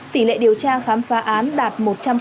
tỷ lệ điều tra khám phá án đạt một trăm linh